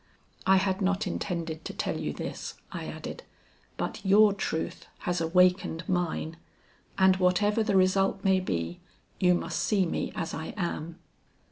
I had not intended to tell you this," I added, "but your truth has awakened mine, and whatever the result may be, you must see me as I am."